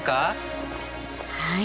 はい。